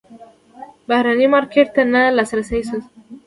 بهرني مارکیټ ته نه لاسرسی ستونزه ده.